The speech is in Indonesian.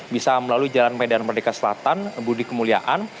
bisa melalui jalan medan merdeka selatan budi kemuliaan